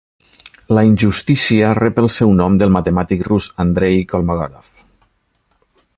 La injustícia rep el seu nom del matemàtic rus Andrey Kolmogorov.